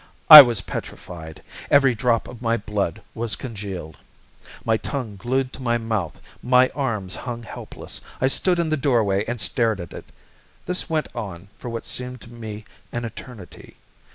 I was petrified every drop of my blood was congealed. My tongue glued to my mouth, my arms hung helpless. I stood in the doorway and stared at it. This went on for what seemed to me an eternity.